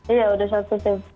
iya udah satu tim